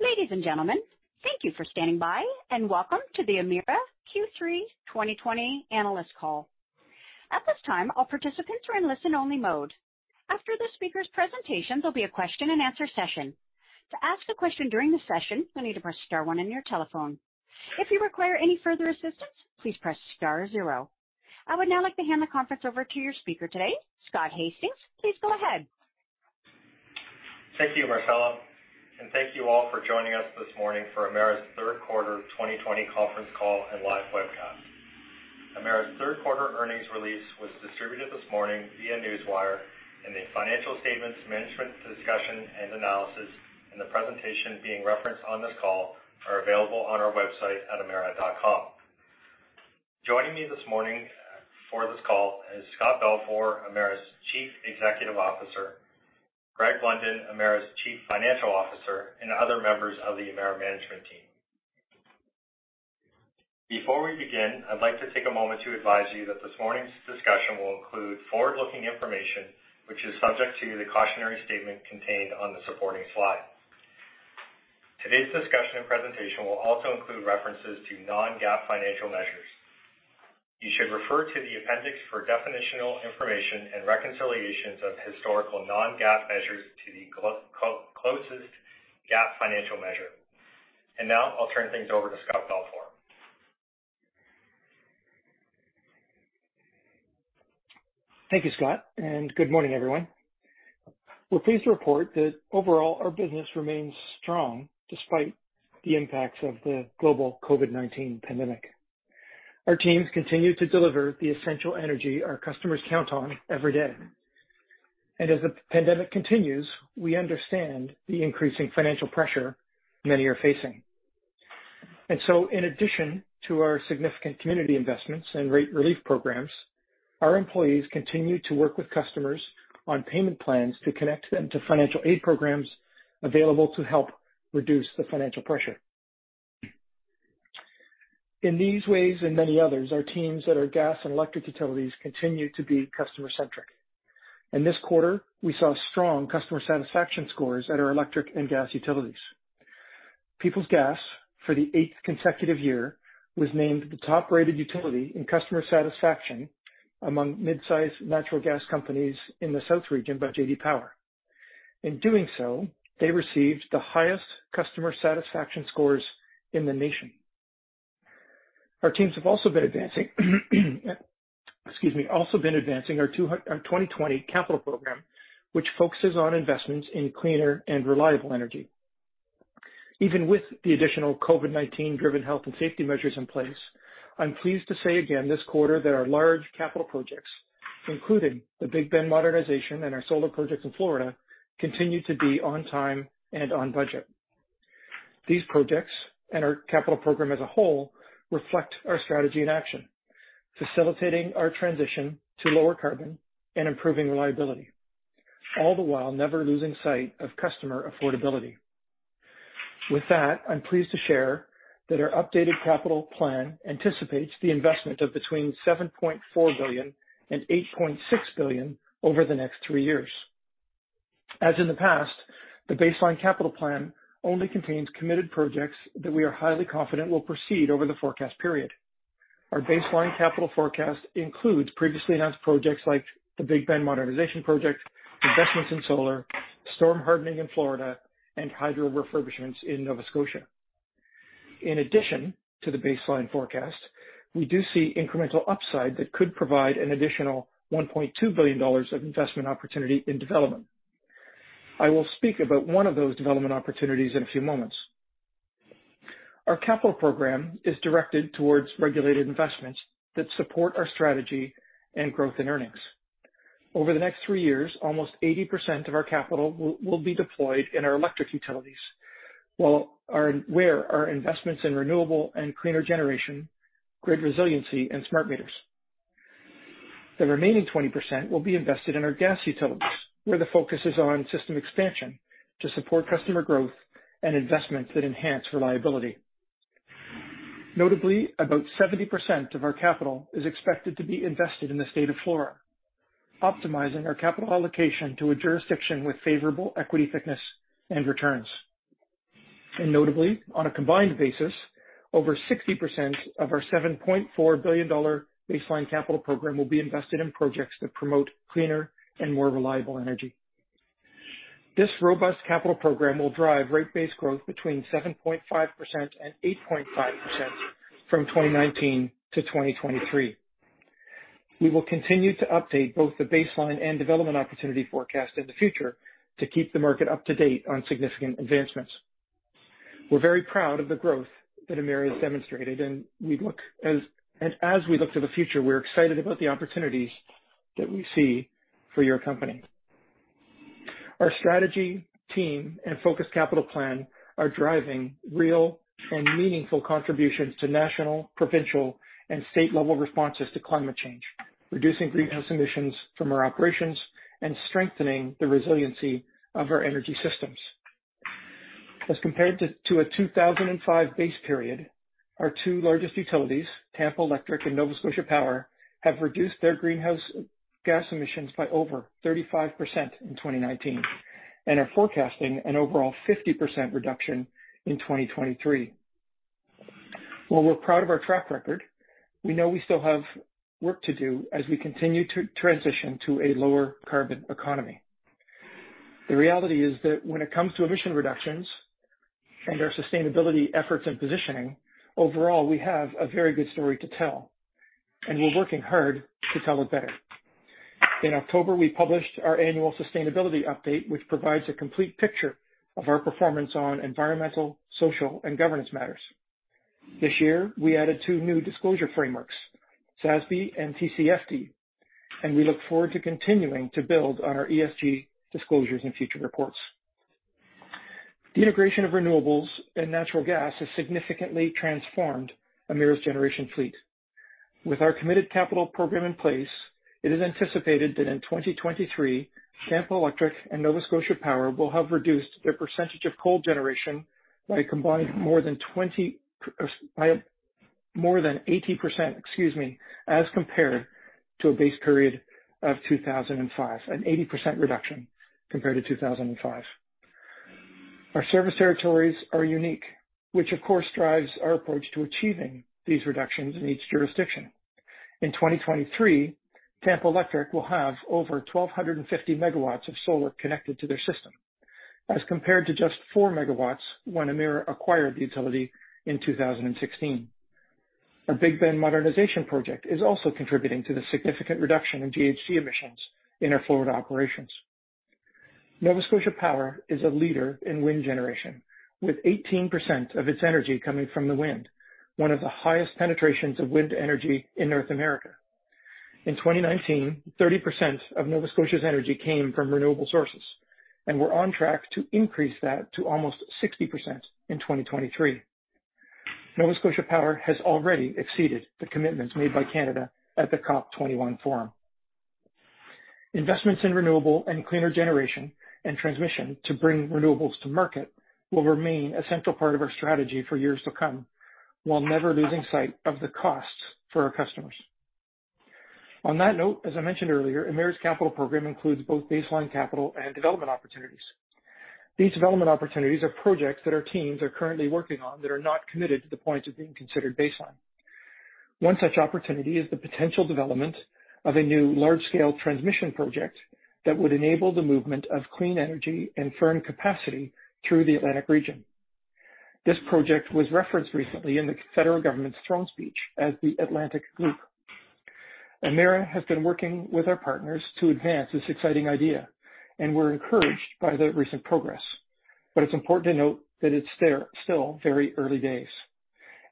Ladies and gentlemen, thank you for standing by, and welcome to the Emera Q3 2020 analyst call. At this time, all participants are in listen-only mode. After the speakers' presentations, there will be a question and answer session. To ask a question during the session, you will need to press star one on your telephone. If you require any further assistance, please press star zero. I would now like to hand the conference over to your speaker today, Scott Hastings. Please go ahead. Thank you, Marcella, thank you all for joining us this morning for Emera's third quarter 2020 conference call and live webcast. Emera's third-quarter earnings release was distributed this morning via Newswire, and the financial statements, management discussion and analysis, and the presentation being referenced on this call are available on our website at emera.com. Joining me this morning for this call is Scott Balfour, Emera's Chief Executive Officer, Greg Blunden, Emera's Chief Financial Officer, and other members of the Emera management team. Before we begin, I'd like to take a moment to advise you that this morning's discussion will include forward-looking information, which is subject to the cautionary statement contained on the supporting slide. Today's discussion and presentation will also include references to non-GAAP financial measures. You should refer to the appendix for definitional information and reconciliations of historical non-GAAP measures to the closest GAAP financial measure. Now I'll turn things over to Scott Balfour. Thank you, Scott. Good morning, everyone. We're pleased to report that overall, our business remains strong despite the impacts of the global COVID-19 pandemic. Our teams continue to deliver the essential energy our customers count on every day. As the pandemic continues, we understand the increasing financial pressure many are facing. In addition to our significant community investments and rate relief programs, our employees continue to work with customers on payment plans to connect them to financial aid programs available to help reduce the financial pressure. In these ways and many others, our teams at our gas and electric utilities continue to be customer-centric. In this quarter, we saw strong customer satisfaction scores at our electric and gas utilities. Peoples Gas, for the eighth consecutive year, was named the top-rated utility in customer satisfaction among mid-size natural gas companies in the South region by J.D. Power. In doing so, they received the highest customer satisfaction scores in the nation. Our teams have also been advancing, excuse me, our 2020 capital program, which focuses on investments in cleaner and reliable energy. Even with the additional COVID-19-driven health and safety measures in place, I'm pleased to say again this quarter that our large capital projects, including the Big Bend modernization and our solar projects in Florida, continue to be on time and on budget. These projects and our capital program as a whole reflect our strategy in action, facilitating our transition to lower carbon and improving reliability, all the while never losing sight of customer affordability. With that, I'm pleased to share that our updated capital plan anticipates the investment of between 7.4 billion and 8.6 billion over the next three years. As in the past, the baseline capital plan only contains committed projects that we are highly confident will proceed over the forecast period. Our baseline capital forecast includes previously announced projects like the Big Bend modernization project, investments in solar, storm hardening in Florida, and hydro refurbishments in Nova Scotia. In addition to the baseline forecast, we do see incremental upside that could provide an additional 1.2 billion dollars of investment opportunity in development. I will speak about one of those development opportunities in a few moments. Our capital program is directed towards regulated investments that support our strategy and growth in earnings. Over the next three years, almost 80% of our capital will be deployed in our electric utilities, where our investments in renewable and cleaner generation, grid resiliency, and smart meters. The remaining 20% will be invested in our gas utilities, where the focus is on system expansion to support customer growth and investments that enhance reliability. Notably, about 70% of our capital is expected to be invested in the state of Florida, optimizing our capital allocation to a jurisdiction with favorable equity thickness and returns. Notably, on a combined basis, over 60% of our 7.4 billion dollar baseline capital program will be invested in projects that promote cleaner and more reliable energy. This robust capital program will drive rate base growth between 7.5% and 8.5% from 2019 to 2023. We will continue to update both the baseline and development opportunity forecast in the future to keep the market up to date on significant advancements. We're very proud of the growth that Emera has demonstrated. As we look to the future, we're excited about the opportunities that we see for your company. Our strategy team and focused capital plan are driving real and meaningful contributions to national, provincial, and state-level responses to climate change, reducing greenhouse emissions from our operations and strengthening the resiliency of our energy systems. As compared to a 2005 base period. Our two largest utilities, Tampa Electric and Nova Scotia Power, have reduced their greenhouse gas emissions by over 35% in 2019 and are forecasting an overall 50% reduction in 2023. While we're proud of our track record, we know we still have work to do as we continue to transition to a lower carbon economy. The reality is that when it comes to emission reductions and our sustainability efforts and positioning, overall, we have a very good story to tell, and we're working hard to tell it better. In October, we published our annual sustainability update, which provides a complete picture of our performance on environmental, social, and governance matters. This year, we added two new disclosure frameworks, SASB and TCFD, and we look forward to continuing to build on our ESG disclosures in future reports. The integration of renewables and natural gas has significantly transformed Emera's generation fleet. With our committed capital program in place, it is anticipated that in 2023, Tampa Electric and Nova Scotia Power will have reduced their percentage of coal generation by a more than 80%, as compared to a base period of 2005. An 80% reduction compared to 2005. Our service territories are unique, which of course drives our approach to achieving these reductions in each jurisdiction. In 2023, Tampa Electric will have over 1,250 MW of solar connected to their system, as compared to just 4 MW when Emera acquired the utility in 2016. Our Big Bend modernization project is also contributing to the significant reduction in GHG emissions in our Florida operations. Nova Scotia Power is a leader in wind generation, with 18% of its energy coming from the wind, one of the highest penetrations of wind energy in North America. In 2019, 30% of Nova Scotia's energy came from renewable sources, and we're on track to increase that to almost 60% in 2023. Nova Scotia Power has already exceeded the commitments made by Canada at the COP 21 forum. Investments in renewable and cleaner generation and transmission to bring renewables to market will remain a central part of our strategy for years to come, while never losing sight of the costs for our customers. On that note, as I mentioned earlier, Emera's capital program includes both baseline capital and development opportunities. These development opportunities are projects that our teams are currently working on that are not committed to the point of being considered baseline. One such opportunity is the potential development of a new large-scale transmission project that would enable the movement of clean energy and firm capacity through the Atlantic region. This project was referenced recently in the federal government's throne speech as the Atlantic Loop. Emera has been working with our partners to advance this exciting idea, and we're encouraged by the recent progress. It's important to note that it's still very early days,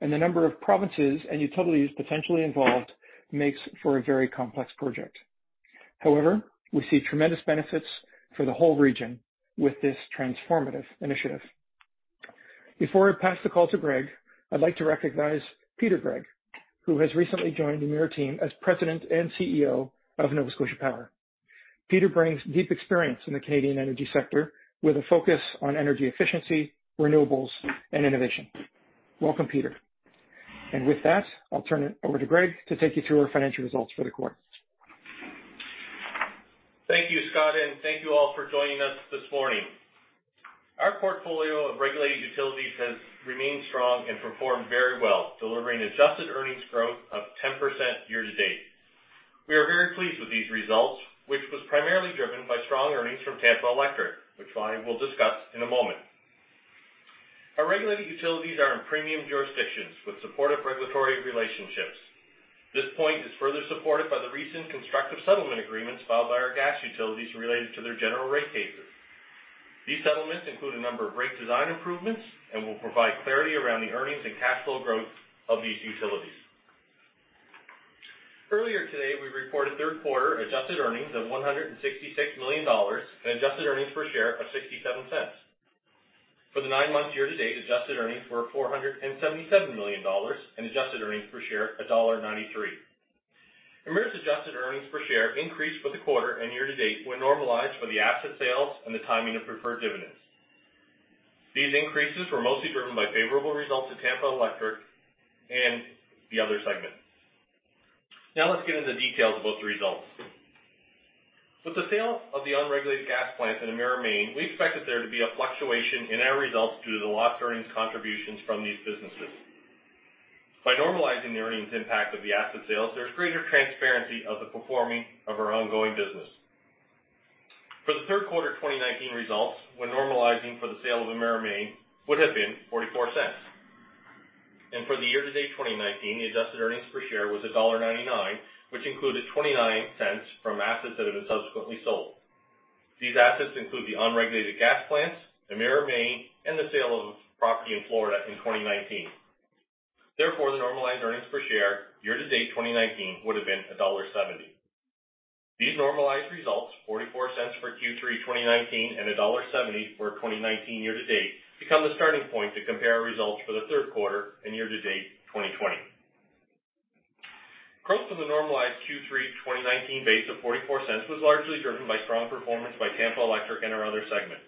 and the number of provinces and utilities potentially involved makes for a very complex project. We see tremendous benefits for the whole region with this transformative initiative. Before I pass the call to Greg, I'd like to recognize Peter Gregg, who has recently joined the Emera team as President and CEO of Nova Scotia Power. Peter brings deep experience in the Canadian energy sector with a focus on energy efficiency, renewables, and innovation. Welcome, Peter. With that, I'll turn it over to Greg to take you through our financial results for the quarter. Thank you, Scott, and thank you all for joining us this morning. Our portfolio of regulated utilities has remained strong and performed very well, delivering adjusted earnings growth of 10% year to date. We are very pleased with these results, which was primarily driven by strong earnings from Tampa Electric, which I will discuss in a moment. Our regulated utilities are in premium jurisdictions with supportive regulatory relationships. This point is further supported by the recent constructive settlement agreements filed by our gas utilities related to their general rate cases. These settlements include a number of rate design improvements and will provide clarity around the earnings and cash flow growth of these utilities. Earlier today, we reported third quarter adjusted earnings of 166 million dollars and adjusted earnings per share of 0.67. For the nine-month year to date, adjusted earnings were 477 million dollars and adjusted earnings per share of 1.93. Emera's adjusted earnings per share increased for the quarter and year-to-date when normalized for the asset sales and the timing of preferred dividends. These increases were mostly driven by favorable results at Tampa Electric and the other segments. Let's get into the details about the results. With the sale of the unregulated gas plants in Emera Maine, we expected there to be a fluctuation in our results due to the lost earnings contributions from these businesses. By normalizing the earnings impact of the asset sales, there's greater transparency of the performing of our ongoing business. For the Q3 2019 results, when normalizing for the sale of Emera Maine, would have been 0.44. For the year-to-date 2019, the adjusted earnings per share was dollar 1.99, which included 0.29 from assets that have been subsequently sold. These assets include the unregulated gas plants, Emera Maine, and the sale of property in Florida in 2019. Therefore, the normalized earnings per share year to date 2019 would have been dollar 1.70. These normalized results, 0.44 for Q3 2019 and dollar 1.70 for 2019 year to date, become the starting point to compare our results for the third quarter and year to date 2020. The normalized Q3 2019 base of 0.44 was largely driven by strong performance by Tampa Electric and our other segment.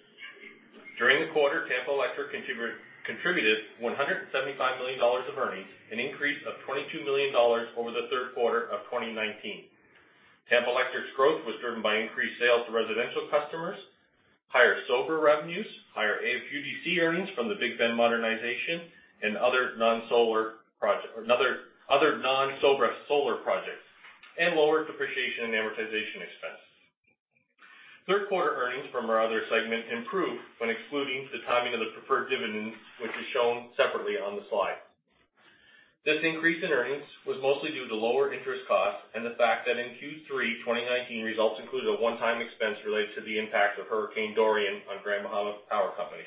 During the quarter, Tampa Electric contributed 175 million dollars of earnings, an increase of 22 million dollars over the third quarter of 2019. Tampa Electric's growth was driven by increased sales to residential customers, higher SoBRA revenues, higher AFUDC earnings from the Big Bend modernization and other non-SoBRA solar projects, and lower depreciation and amortization expense. Third quarter earnings from our other segment improved when excluding the timing of the preferred dividend, which is shown separately on the slide. This increase in earnings was mostly due to lower interest costs and the fact that in Q3 2019, results included a one-time expense related to the impact of Hurricane Dorian on Grand Bahama Power Company.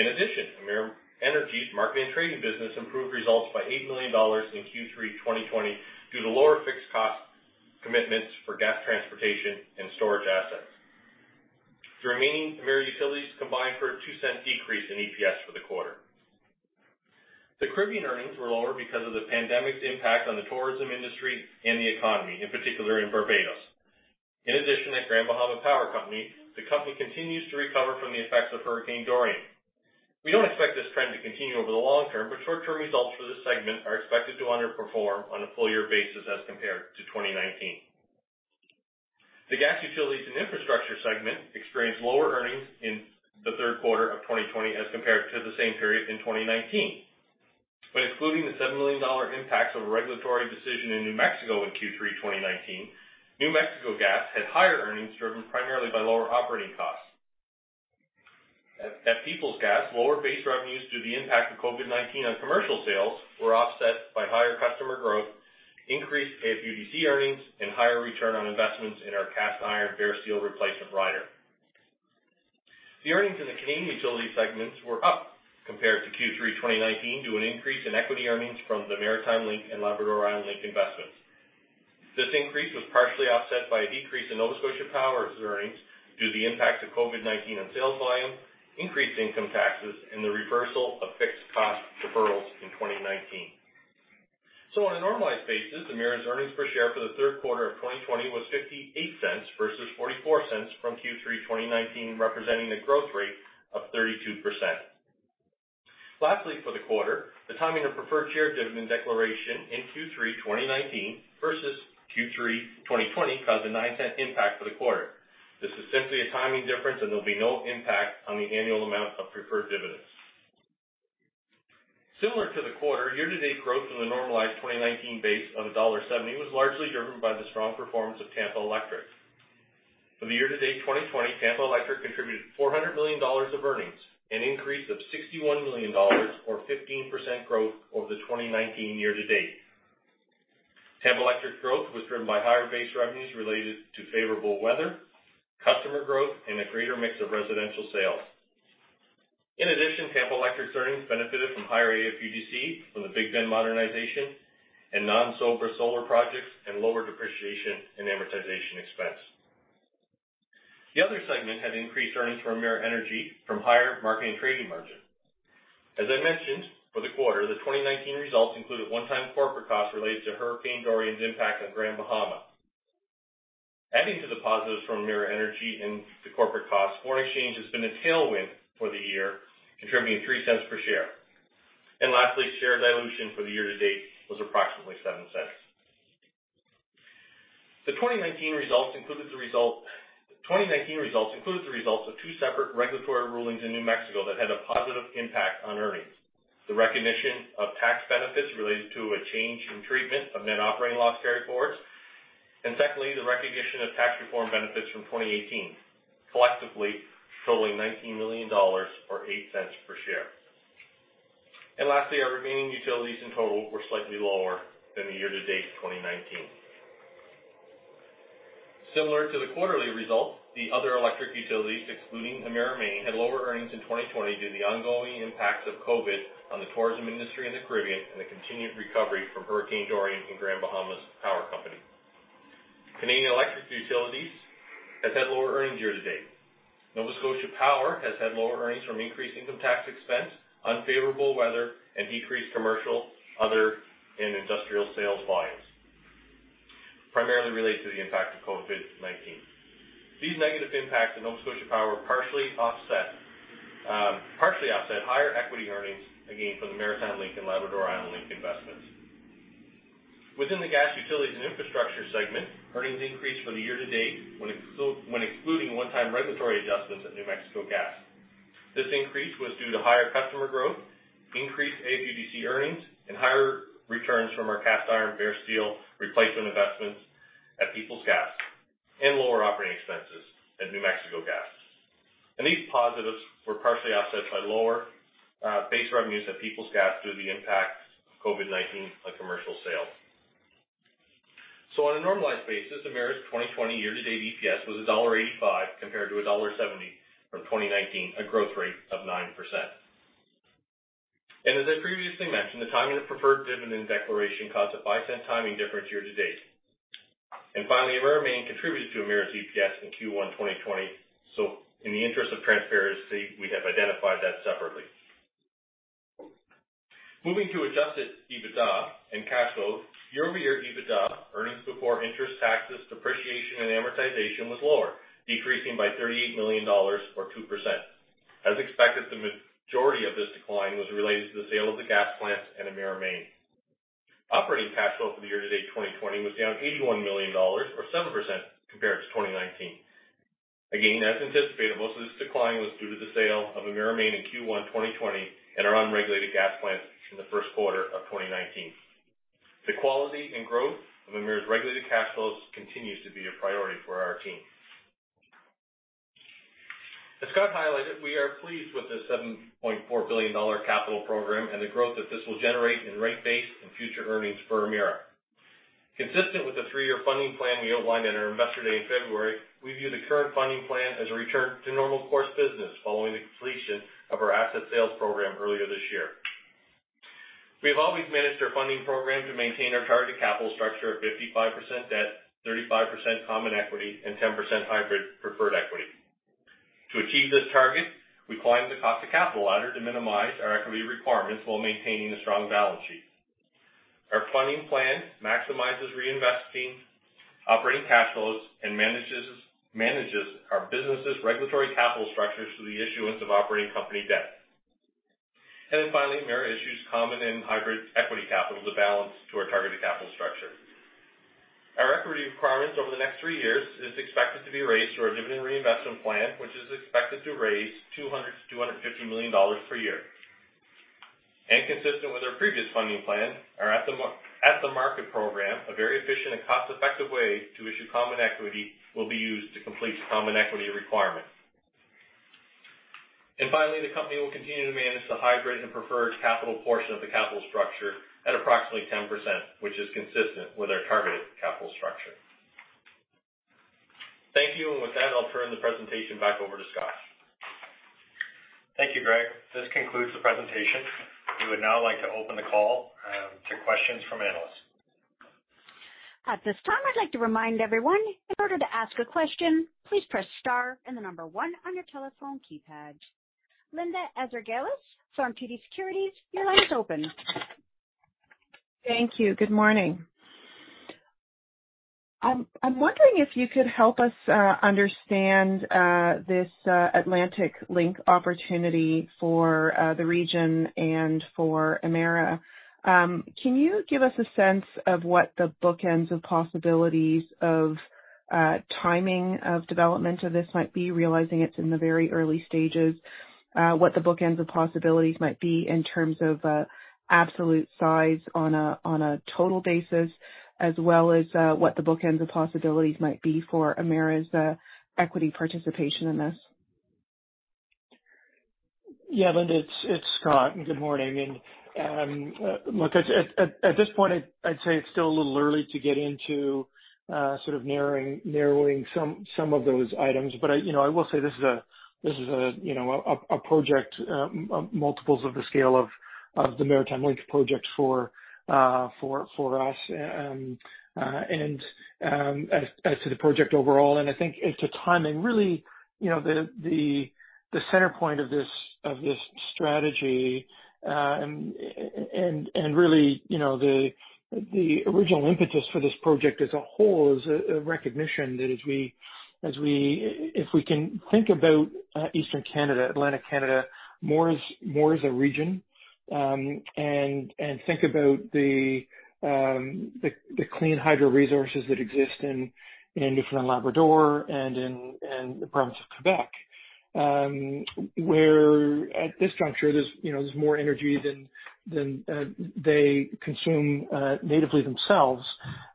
Emera Energy's marketing and trading business improved results by 8 million dollars in Q3 2020 due to lower fixed cost commitments for gas transportation and storage assets. The remaining Emera utilities combined for a 0.02 decrease in EPS for the quarter. The Caribbean earnings were lower because of the pandemic's impact on the tourism industry and the economy, in particular in Barbados. At Grand Bahama Power Company, the company continues to recover from the effects of Hurricane Dorian. We don't expect this trend to continue over the long term, but short-term results for this segment are expected to underperform on a full-year basis as compared to 2019. The gas utilities and infrastructure segment experienced lower earnings in the third quarter of 2020 as compared to the same period in 2019. When excluding the 7 million dollar impact of a regulatory decision in New Mexico in Q3 2019, New Mexico Gas had higher earnings driven primarily by lower operating costs. At Peoples Gas, lower base revenues due to the impact of COVID-19 on commercial sales were offset by higher customer growth, increased AFUDC earnings, and higher return on investments in our cast iron bare steel replacement rider. The earnings in the Canadian utility segments were up compared to Q3 2019 due to an increase in equity earnings from the Maritime Link and Labrador Island Link investments. This increase was partially offset by a decrease in Nova Scotia Power's earnings due to the impact of COVID-19 on sales volume, increased income taxes, and the reversal of fixed cost deferrals in 2019. On a normalized basis, Emera's earnings per share for the third quarter of 2020 was 0.58 versus 0.44 from Q3 2019, representing a growth rate of 32%. Lastly, for the quarter, the timing of preferred share dividend declaration in Q3 2019 versus Q3 2020 caused a 0.09 impact for the quarter. This is simply a timing difference, and there'll be no impact on the annual amount of preferred dividends. Similar to the quarter, year-to-date growth in the normalized 2019 base of dollar 1.70 was largely driven by the strong performance of Tampa Electric. For the year-to-date 2020, Tampa Electric contributed 400 million dollars of earnings, an increase of 61 million dollars or 15% growth over the 2019 year-to-date. Tampa Electric's growth was driven by higher base revenues related to favorable weather, customer growth, and a greater mix of residential sales. In addition, Tampa Electric's earnings benefited from higher AFUDC from the Big Bend modernization and non-SoBRA solar projects and lower depreciation and amortization expense. The other segment had increased earnings from Emera Energy from higher marketing and trading margin. As I mentioned for the quarter, the 2019 results included a one-time corporate cost related to Hurricane Dorian's impact on Grand Bahama. Adding to the positives from Emera Energy and the corporate costs, foreign exchange has been a tailwind for the year, contributing 0.03 per share. Lastly, share dilution for the year-to-date was approximately 0.07. The 2019 results included the results of two separate regulatory rulings in New Mexico that had a positive impact on earnings. Secondly, the recognition of tax benefits related to a change in treatment of net operating loss carryforwards, and the recognition of tax reform benefits from 2018, collectively totaling 19 million dollars or 0.08 per share. Lastly, our remaining utilities in total were slightly lower than the year-to-date 2019. Similar to the quarterly results, the other electric utilities, excluding Emera Maine, had lower earnings in 2020 due to the ongoing impacts of COVID on the tourism industry in the Caribbean and the continued recovery from Hurricane Dorian in Grand Bahama Power Company. Canadian electric utilities has had lower earnings year-to-date. Nova Scotia Power has had lower earnings from increased income tax expense, unfavorable weather, and decreased commercial, other, and industrial sales volumes, primarily related to the impact of COVID-19. These negative impacts on Nova Scotia Power partially offset higher equity earnings, again, from the Maritime Link and Labrador Island Link investments. Within the gas, utilities, and infrastructure segment, earnings increased for the year-to-date when excluding one-time regulatory adjustments at New Mexico Gas. This increase was due to higher customer growth, increased AFUDC earnings, and higher returns from our cast iron bare steel replacement investments at Peoples Gas, and lower operating expenses at New Mexico Gas. These positives were partially offset by lower base revenues at Peoples Gas due to the impact of COVID-19 on commercial sales. On a normalized basis, Emera's 2020 year-to-date EPS was dollar 1.85 compared to dollar 1.70 from 2019, a growth rate of 9%. As I previously mentioned, the timing of the preferred dividend declaration caused a 0.05 timing difference year-to-date. Finally, Emera Maine contributed to Emera's EPS in Q1 2020. In the interest of transparency, we have identified that separately. Moving to adjusted EBITDA and cash flows. Year-over-year EBITDA, earnings before interest, taxes, depreciation, and amortization was lower, decreasing by 38 million dollars or 2%. As expected, the majority of this decline was related to the sale of the gas plants and Emera Maine. Operating cash flow for the year-to-date 2020 was down 81 million dollars or 7% compared to 2019. Again, as anticipated, most of this decline was due to the sale of Emera Maine in Q1 2020 and our unregulated gas plants in the first quarter of 2019. The quality and growth of Emera's regulated cash flows continues to be a priority for our team. As Scott highlighted, we are pleased with the 7.4 billion dollar capital program and the growth that this will generate in rate base and future earnings for Emera. Consistent with the three-year funding plan we outlined at our Investor Day in February, we view the current funding plan as a return to normal course business following the completion of our asset sales program earlier this year. We have always managed our funding program to maintain our targeted capital structure of 55% debt, 35% common equity, and 10% hybrid preferred equity. To achieve this target, we climbed the cost of capital ladder to minimize our equity requirements while maintaining a strong balance sheet. Our funding plan maximizes reinvesting operating cash flows and manages our businesses' regulatory capital structures through the issuance of operating company debt. Emera issues common and hybrid equity capital as a balance to our targeted capital structure. Our equity requirements over the next three years is expected to be raised through our dividend reinvestment plan, which is expected to raise 200 million-250 million dollars per year. Consistent with our previous funding plan, our at-the-market program, a very efficient and cost-effective way to issue common equity, will be used to complete common equity requirements. Finally, the company will continue to manage the hybrid and preferred capital portion of the capital structure at approximately 10%, which is consistent with our targeted capital structure. Thank you. With that, I'll turn the presentation back over to Scott. Thank you, Greg. This concludes the presentation. We would now like to open the call to questions from analysts. Linda Ezergailis from TD Securities, your line is open. Thank you. Good morning. I'm wondering if you could help us understand this Atlantic Link opportunity for the region and for Emera. Can you give us a sense of what the bookends of possibilities of timing of development of this might be, realizing it's in the very early stages? What the bookends of possibilities might be in terms of absolute size on a total basis, as well as what the bookends of possibilities might be for Emera's equity participation in this? Yeah, Linda, it's Scott. Good morning. Look, at this point, I'd say it's still a little early to get into sort of narrowing some of those items. I will say this is a project multiples of the scale of the Maritime Link project for us and as to the project overall. I think as to timing, really, the center point of this strategy, and really the original impetus for this project as a whole is a recognition that if we can think about Eastern Canada, Atlantic Canada, more as a region, and think about the clean hydro resources that exist in Newfoundland and Labrador and in the province of Quebec, where at this juncture, there's more energy than they consume natively themselves.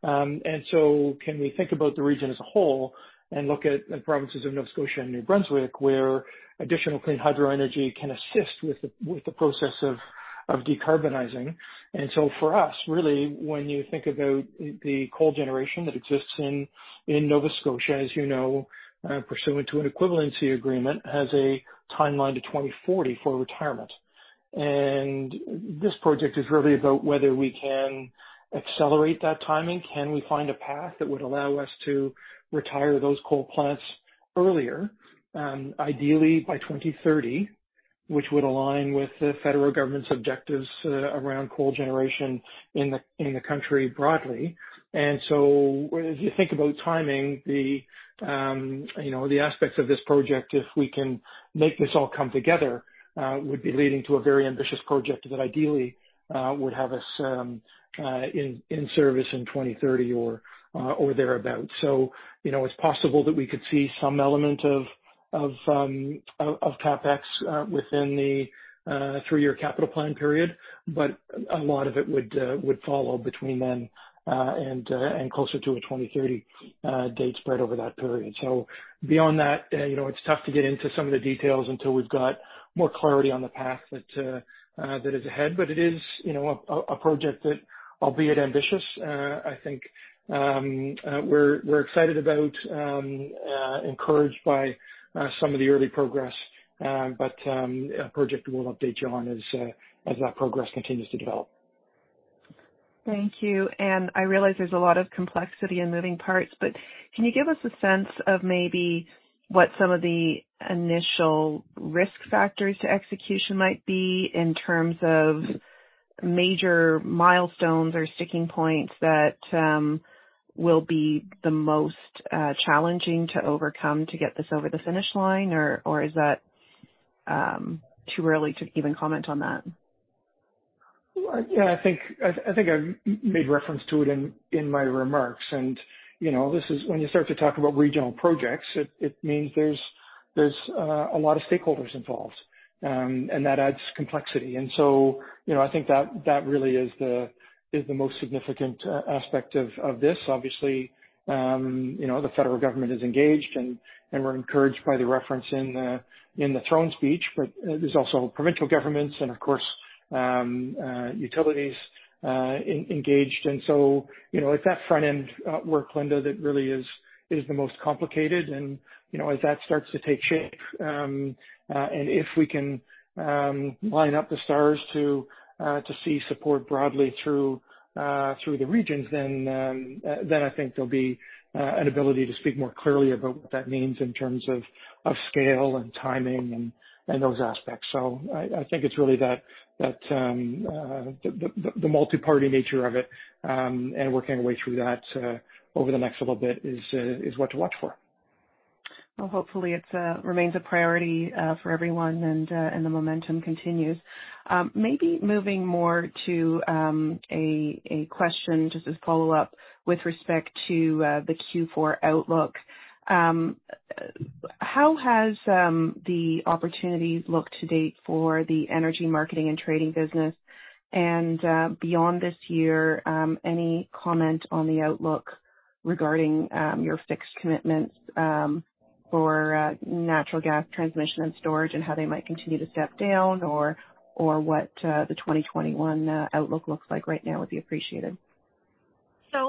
Can we think about the region as a whole and look at the provinces of Nova Scotia and New Brunswick, where additional clean hydro energy can assist with the process of decarbonizing. For us, really, when you think about the coal generation that exists in Nova Scotia, as you know, pursuant to an Equivalency Agreement, has a timeline to 2040 for retirement. This project is really about whether we can accelerate that timing. Can we find a path that would allow us to retire those coal plants earlier? Ideally by 2030, which would align with the federal government's objectives around coal generation in the country broadly. As you think about timing, the aspects of this project, if we can make this all come together, would be leading to a very ambitious project that ideally would have us in service in 2030 or thereabout. It's possible that we could see some element of CapEx within the three-year capital plan period, but a lot of it would follow between then and closer to a 2030 date spread over that period. Beyond that, it's tough to get into some of the details until we've got more clarity on the path that is ahead. It is a project that, albeit ambitious, I think, we're excited about, encouraged by some of the early progress. A project we'll update you on as that progress continues to develop. Thank you. I realize there's a lot of complexity and moving parts, but can you give us a sense of maybe what some of the initial risk factors to execution might be in terms of major milestones or sticking points that will be the most challenging to overcome to get this over the finish line? Is that too early to even comment on that? Yeah, I think I made reference to it in my remarks. When you start to talk about regional projects, it means there's a lot of stakeholders involved, and that adds complexity. I think that really is the most significant aspect of this. Obviously, the federal government is engaged, and we're encouraged by the reference in the throne speech, but there's also provincial governments and, of course, utilities engaged. It's that front-end work, Linda, that really is the most complicated. As that starts to take shape, and if we can line up the stars to see support broadly through the regions, then I think there'll be an ability to speak more clearly about what that means in terms of scale and timing and those aspects. I think it's really the multi-party nature of it, and working our way through that, over the next little bit is what to watch for. Well, hopefully it remains a priority for everyone and the momentum continues. Maybe moving more to a question just as follow-up with respect to the Q4 outlook. How has the opportunities looked to date for the energy marketing and trading business? Beyond this year, any comment on the outlook regarding your fixed commitments for natural gas transmission and storage and how they might continue to step down or what the 2021 outlook looks like right now would be appreciated.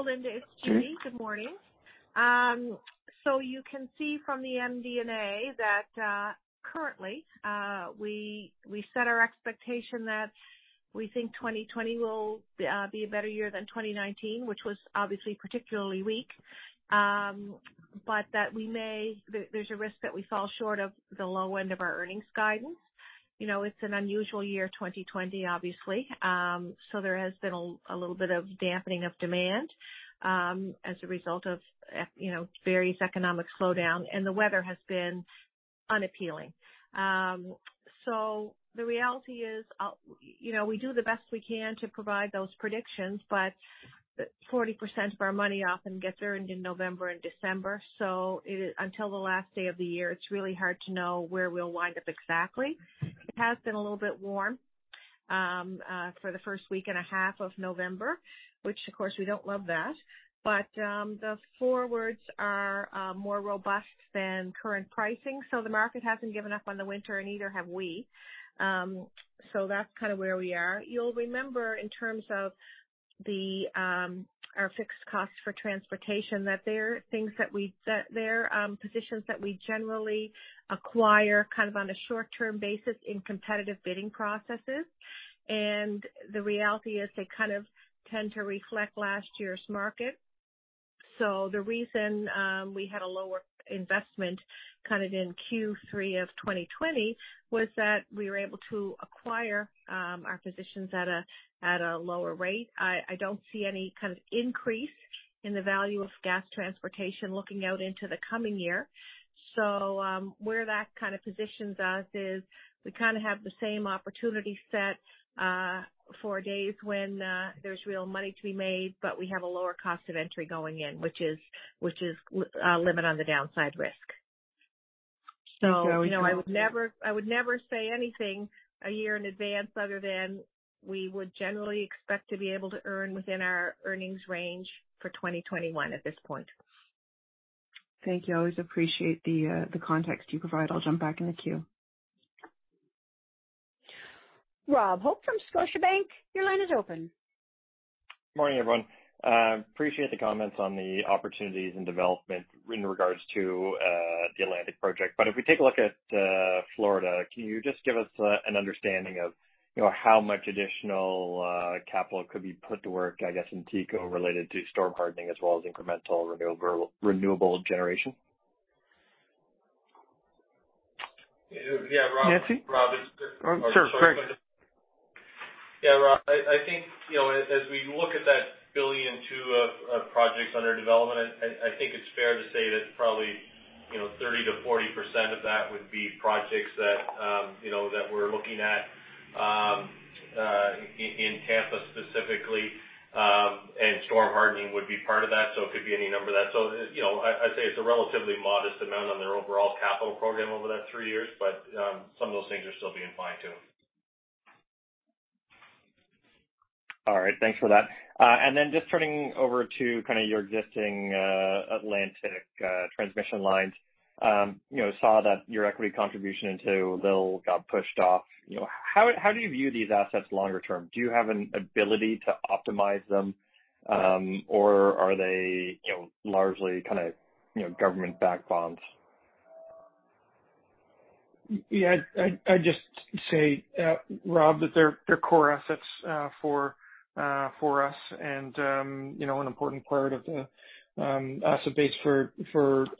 Linda, it's Judy. Good morning. You can see from the MD&A that currently, we set our expectation that we think 2020 will be a better year than 2019, which was obviously particularly weak. There's a risk that we fall short of the low end of our earnings guidance. It's an unusual year, 2020, obviously. There has been a little bit of dampening of demand as a result of various economic slowdown, and the weather has been unappealing. The reality is, we do the best we can to provide those predictions, but 40% of our money often gets earned in November and December. Until the last day of the year, it's really hard to know where we'll wind up exactly. It has been a little bit warm for the first week and a half of November, which of course we don't love that. The forwards are more robust than current pricing, the market hasn't given up on the winter and neither have we. That's kind of where we are. You'll remember in terms of our fixed costs for transportation, that they're positions that we generally acquire on a short-term basis in competitive bidding processes. The reality is they kind of tend to reflect last year's market. The reason we had a lower investment in Q3 2020 was that we were able to acquire our positions at a lower rate. I don't see any kind of increase in the value of gas transportation looking out into the coming year. Where that positions us is we have the same opportunity set for days when there's real money to be made, but we have a lower cost of entry going in, which is a limit on the downside risk. So. Judy. I would never say anything a year in advance other than we would generally expect to be able to earn within our earnings range for 2021 at this point. Thank you. Always appreciate the context you provide. I'll jump back in the queue. Rob Hope from Scotiabank, your line is open. Morning, everyone. Appreciate the comments on the opportunities and development in regards to the Atlantic project. If we take a look at Florida, can you just give us an understanding of how much additional capital could be put to work, I guess, in TECO related to storm hardening as well as incremental renewable generation? Nancy? Yeah, Rob. Sure. Greg. Yeah, Rob, I think, as we look at that 1.2 billion of projects under development, I think it's fair to say that probably 30%-40% of that would be projects that we're looking at in Tampa specifically, and storm hardening would be part of that, so it could be any number of that. I'd say it's a relatively modest amount on their overall capital program over that three years. Some of those things are still being fine-tuned. All right. Thanks for that. Just turning over to kind of your existing Atlantic transmission lines. Saw that your equity contribution into LIL got pushed off. How do you view these assets longer term? Do you have an ability to optimize them? Are they largely government-backed bonds? Yeah. I'd just say, Rob, that they're core assets for us and an important part of the asset base for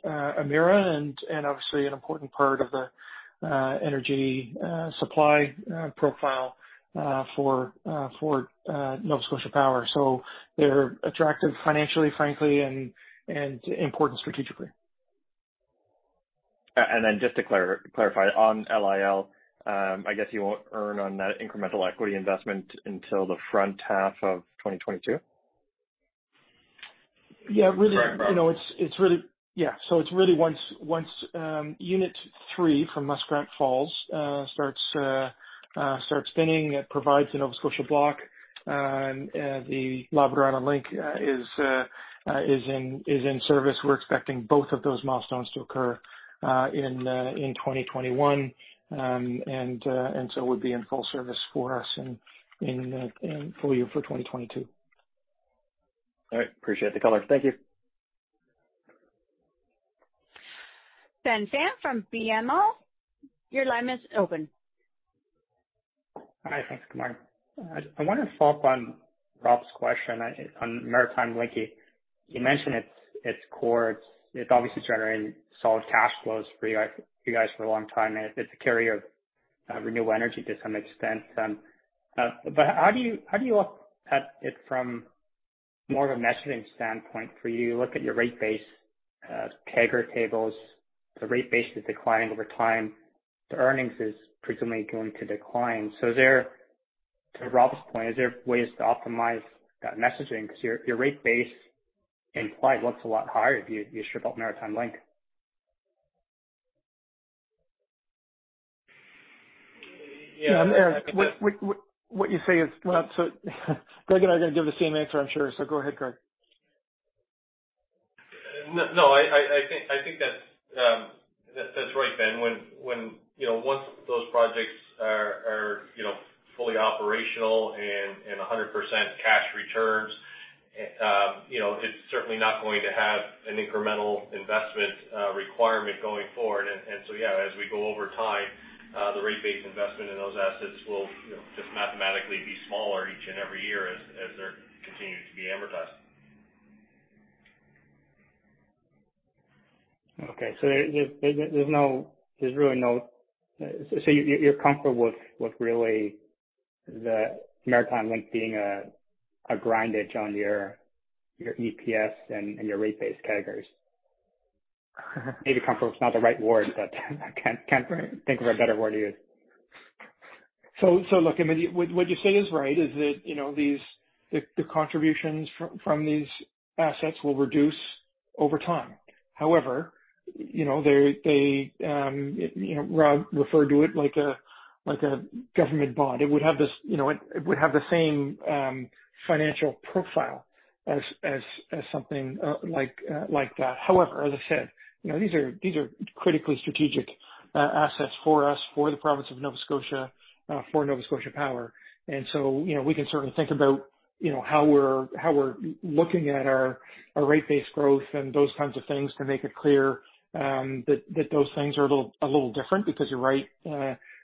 Emera and obviously an important part of the energy supply profile for Nova Scotia Power. They're attractive financially, frankly, and important strategically. Just to clarify on LIL, I guess you won't earn on that incremental equity investment until the front half of 2022? Yeah. Sorry, Scott. It's really once unit 3 from Muskrat Falls starts spinning, it provides the Nova Scotia Block, and the Labrador link is in service. We're expecting both of those milestones to occur in 2021. It would be in full service for us in full year for 2022. All right. Appreciate the color. Thank you. Ben Pham from BMO. Your line is open. Hi. Thanks. Good morning. I want to follow up on Rob's question on Maritime Link. You mentioned its core. It's obviously generating solid cash flows for you guys for a long time, and it's a carrier of renewable energy to some extent. How do you look at it from more of a messaging standpoint for you? You look at your rate base, CAGR tables, the rate base is declining over time. The earnings is presumably going to decline. To Rob's point, is there ways to optimize that messaging? Because your rate base implied looks a lot higher if you strip out Maritime Link. Yeah. What you say is not Greg and I are going to give the same answer, I'm sure. Go ahead, Greg. No, I think that's right, Ben. Once those projects are fully operational and 100% cash returns, it's certainly not going to have an incremental investment requirement going forward. As we go over time, the rate base investment in those assets will just mathematically be smaller each and every year as they're continuing to be amortized. Okay. You're comfortable with really the Maritime Link being a grindage on your EPS and your rate base CAGRs? Maybe comfortable is not the right word, but I can't think of a better word to use. Look, what you're saying is right, is that the contributions from these assets will reduce over time. However, Rob referred to it like a government bond. It would have the same financial profile as something like that. However, as I said, these are critically strategic assets for us, for the province of Nova Scotia, for Nova Scotia Power. We can certainly think about how we're looking at our rate base growth and those kinds of things to make it clear that those things are a little different, because you're right,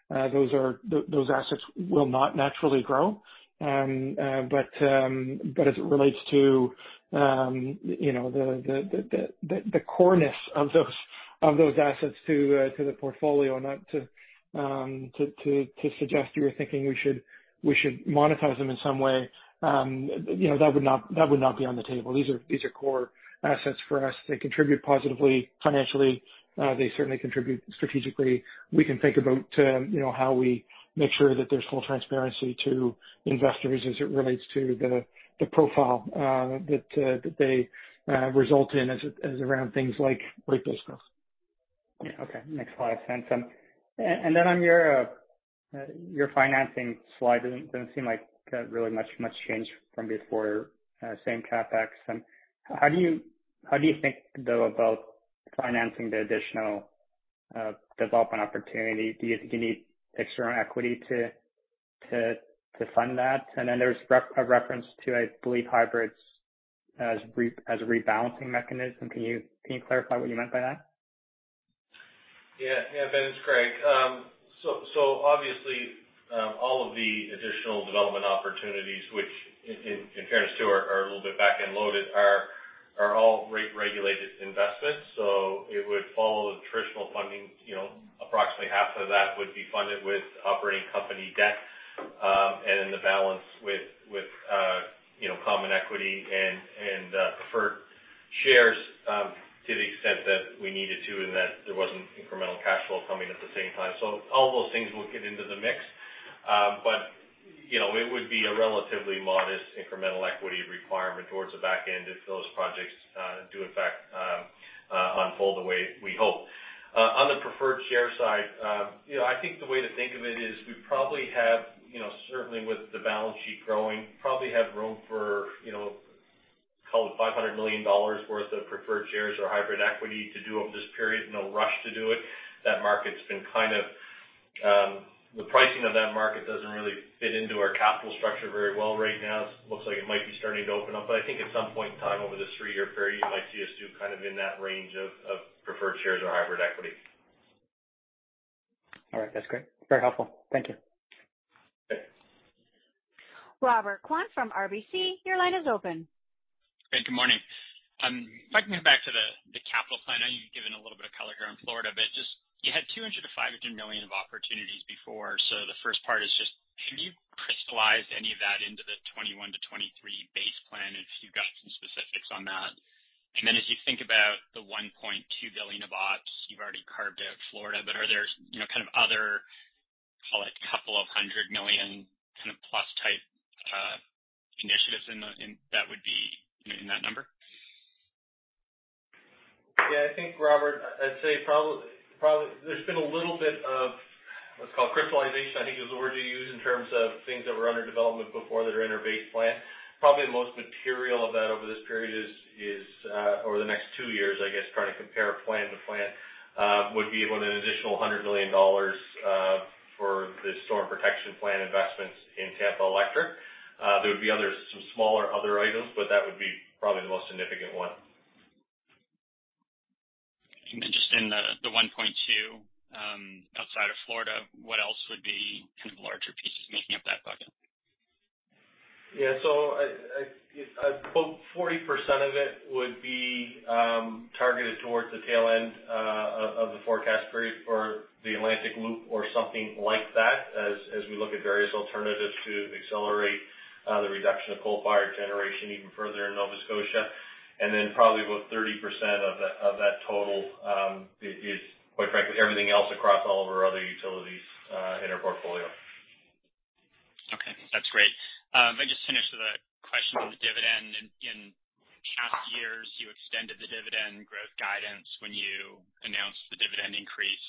those assets will not naturally grow. As it relates to the coreness of those assets to the portfolio, not to suggest you're thinking we should monetize them in some way. That would not be on the table. These are core assets for us. They contribute positively financially. They certainly contribute strategically. We can think about how we make sure that there's full transparency to investors as it relates to the profile that they result in as around things like rate base growth. Yeah. Okay. Makes a lot of sense. On your financing slide, it doesn't seem like really much change from before. Same CapEx. How do you think, though, about financing the additional development opportunity? Do you think you need external equity to fund that? There's a reference to, I believe, hybrids as a rebalancing mechanism. Can you clarify what you meant by that? Ben, it's Greg. Obviously, all of the additional development opportunities, which in fairness too, are a little bit back-end loaded, are all rate-regulated investments. It would follow the traditional funding. Approximately half of that would be funded with operating company debt, and then the balance with common equity and preferred shares, to the extent that we needed to and that there wasn't incremental cash flow coming at the same time. All those things would get into the mix. It would be a relatively modest incremental equity requirement towards the back end if those projects do in fact unfold the way we hope. On the preferred share side, I think the way to think of it is we probably have, certainly with the balance sheet growing, probably have room for call it 500 million dollars worth of preferred shares or hybrid equity to do over this period. No rush to do it. That market's been kind of. The pricing of that market doesn't really fit into our capital structure very well right now. It looks like it might be starting to open up. I think at some point in time over this three-year period, you might see us do kind of in that range of preferred shares or hybrid equity. All right. That's great. Very helpful. Thank you. Okay. Robert Kwan from RBC, your line is open. Great. Good morning. If I can go back to the capital plan. I know you've given a little bit of color here on Florida. Just you had 200 million-500 million of opportunities before. The first part is just, have you crystallized any of that into the 2021 to 2023 base plan, if you've got some specifics on that? As you think about the 1.2 billion of ops, you've already carved out Florida, but are there kind of other, call it, couple of hundred million kind of plus type initiatives in that would be in that number? I think, Robert, I'd say probably there's been a little bit of what's called crystallization, I think is the word you used, in terms of things that were under development before that are in our base plan. Probably the most material of that over this period is, over the next two years, I guess, trying to compare plan to plan, would be with an additional 100 million dollars for the Storm Protection Plan investments in Tampa Electric. There would be some smaller other items, but that would be probably the most significant one. Just in the 1.2, outside of Florida, what else would be kind of the larger pieces making up that bucket? About 40% of it would be targeted towards the tail end of the forecast period for the Atlantic Loop or something like that, as we look at various alternatives to accelerate the reduction of coal-fired generation even further in Nova Scotia. Probably about 30% of that total is, quite frankly, everything else across all of our other utilities in our portfolio. Okay, that's great. If I could just finish with a question on the dividend. In past years, you extended the dividend growth guidance when you announced the dividend increase,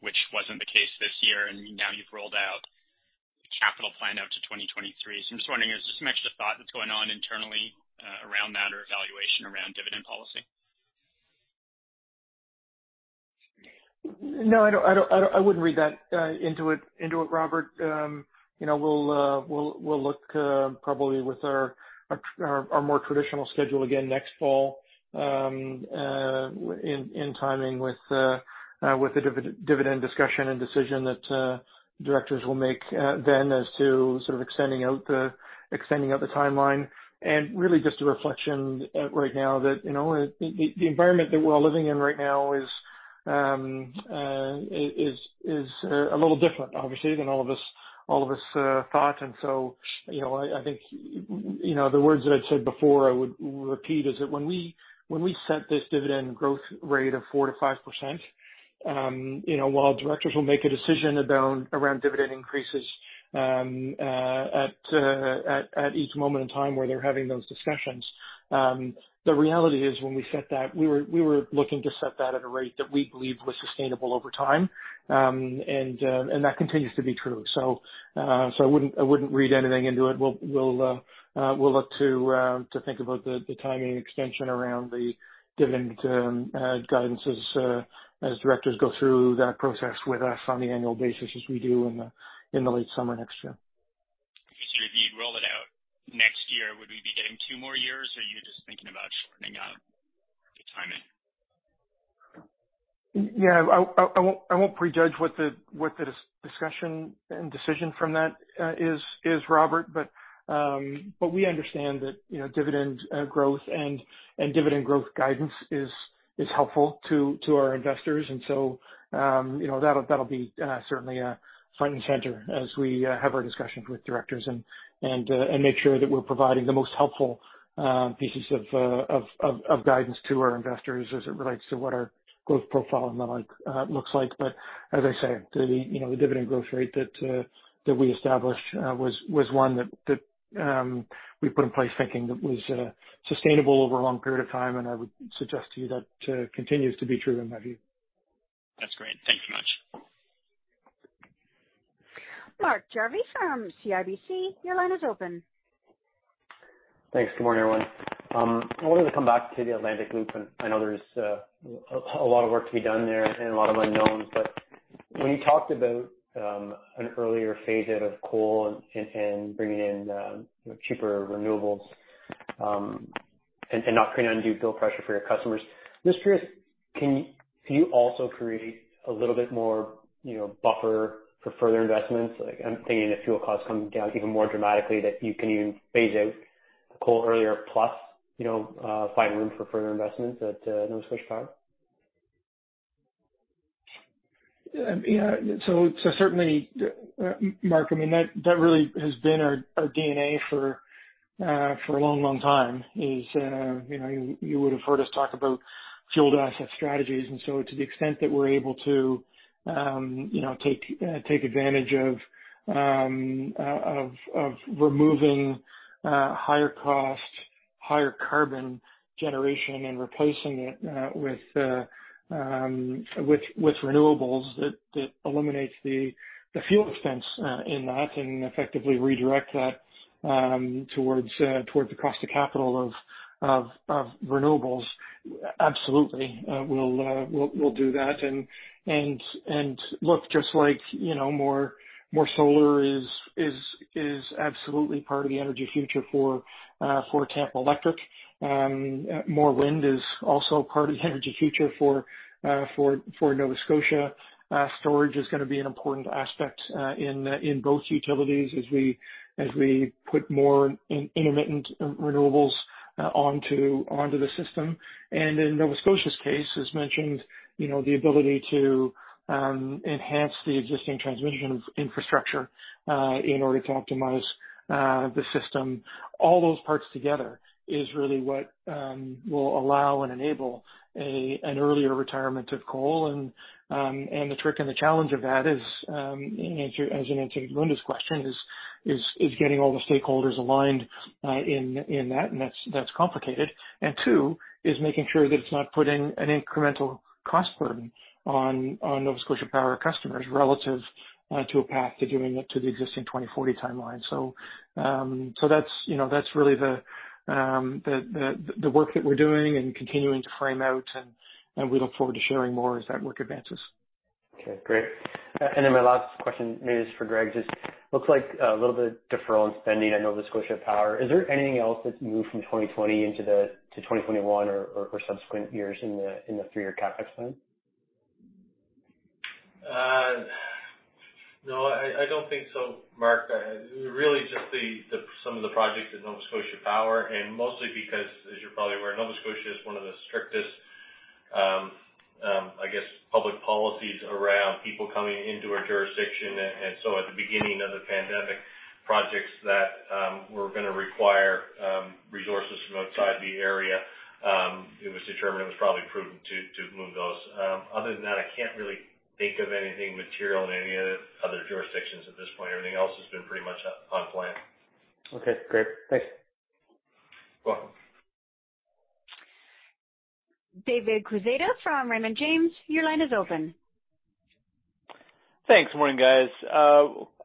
which wasn't the case this year, and now you've rolled out the capital plan out to 2023. I'm just wondering, is there some extra thought that's going on internally around that or evaluation around dividend policy? No, I wouldn't read that into it, Robert. We'll look probably with our more traditional schedule again next fall in timing with the dividend discussion and decision that directors will make then as to sort of extending out the timeline, and really just a reflection right now that the environment that we're all living in right now is a little different, obviously, than all of us thought. I think the words that I'd said before I would repeat is that when we set this dividend growth rate of 4%-5%, while directors will make a decision around dividend increases at each moment in time where they're having those discussions. The reality is when we set that, we were looking to set that at a rate that we believed was sustainable over time. That continues to be true. I wouldn't read anything into it. We'll look to think about the timing extension around the dividend guidance as directors go through that process with us on the annual basis as we do in the late summer next year. If you'd roll it out next year, would we be getting two more years, or are you just thinking about shortening up the timing? Yeah. I won't prejudge what the discussion and decision from that is, Robert. We understand that dividend growth and dividend growth guidance is helpful to our investors. That'll be certainly front and center as we have our discussions with directors and make sure that we're providing the most helpful pieces of guidance to our investors as it relates to what our growth profile and the like looks like. As I say, the dividend growth rate that we established was one that we put in place thinking that was sustainable over a long period of time, and I would suggest to you that continues to be true in my view. That's great. Thank you much. Mark Jarvi from CIBC, your line is open. Thanks. Good morning, everyone. I wanted to come back to the Atlantic Loop, and I know there's a lot of work to be done there and a lot of unknowns, but when you talked about an earlier phase-out of coal and bringing in cheaper renewables, and not putting undue bill pressure for your customers. I'm just curious, can you also create a little bit more buffer for further investments? I'm thinking if fuel costs come down even more dramatically, that you can even phase out coal earlier, plus find room for further investments at Nova Scotia Power. Yeah. Certainly, Mark, I mean, that really has been our DNA for a long, long time is, you would have heard us talk about fueled asset strategies, to the extent that we're able to take advantage of removing higher cost higher carbon generation and replacing it with renewables that eliminates the fuel expense in that and effectively redirect that towards the cost of capital of renewables. Absolutely, we'll do that. Look, just like more solar is absolutely part of the energy future for Tampa Electric. More wind is also part of the energy future for Nova Scotia. Storage is going to be an important aspect in both utilities as we put more intermittent renewables onto the system. In Nova Scotia's case, as mentioned, the ability to enhance the existing transmission infrastructure in order to optimize the system. All those parts together is really what will allow and enable an earlier retirement of coal. The trick and the challenge of that is, as you mentioned in Linda's question, is getting all the stakeholders aligned in that, and that's complicated. Two, is making sure that it's not putting an incremental cost burden on Nova Scotia Power customers relative to a path to doing it to the existing 2040 timeline. That's really the work that we're doing and continuing to frame out, and we look forward to sharing more as that work advances. Okay, great. My last question maybe is for Greg. Looks like a little bit of deferral in spending at Nova Scotia Power. Is there anything else that's moved from 2020 into 2021 or subsequent years in the three-year CapEx plan? No, I don't think so, Mark. Really just some of the projects at Nova Scotia Power, mostly because, as you're probably aware, Nova Scotia has one of the strictest, I guess, public policies around people coming into our jurisdiction. At the beginning of the pandemic, projects that were going to require resources from outside the area, it was determined it was probably prudent to move those. Other than that, I can't really think of anything material in any other jurisdictions at this point. Everything else has been pretty much on plan. Okay, great. Thanks. You're welcome. David Quezada from Raymond James. Your line is open. Thanks. Morning, guys.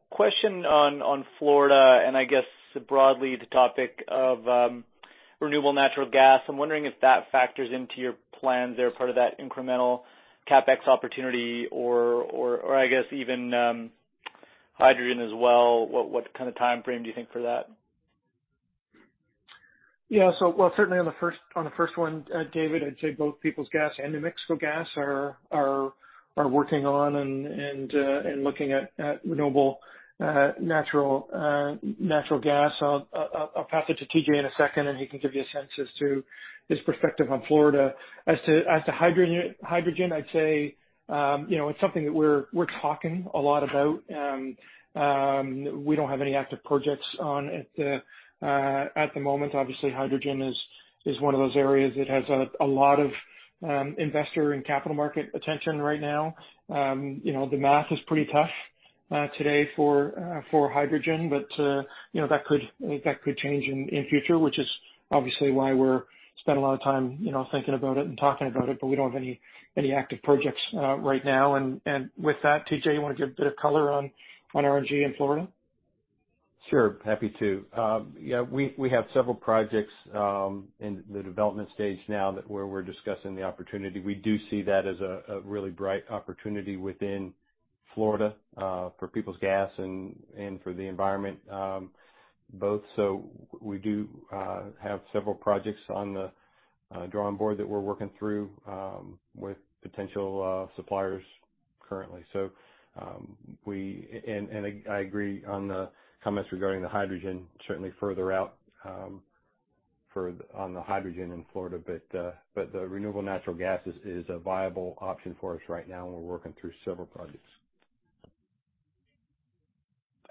Question on Florida and I guess broadly the topic of renewable natural gas. I'm wondering if that factors into your plans there, part of that incremental CapEx opportunity or, I guess, even hydrogen as well? What kind of timeframe do you think for that? Certainly on the first one, David, I'd say both Peoples Gas and New Mexico Gas are working on and looking at renewable natural gas. I'll pass it to T.J. in a second, and he can give you a sense as to his perspective on Florida. As to hydrogen, I'd say it's something that we're talking a lot about. We don't have any active projects on at the moment. Hydrogen is one of those areas that has a lot of investor and capital market attention right now. The math is pretty tough today for hydrogen, but that could change in future, which is obviously why we spend a lot of time thinking about it and talking about it, but we don't have any active projects right now. With that, T.J., you want to give a bit of color on RNG in Florida? Sure, happy to. Yeah, we have several projects in the development stage now where we're discussing the opportunity. We do see that as a really bright opportunity within Florida for Peoples Gas and for the environment both. We do have several projects on the drawing board that we're working through with potential suppliers currently. I agree on the comments regarding the hydrogen, certainly further out on the hydrogen in Florida. The renewable natural gas is a viable option for us right now, and we're working through several projects.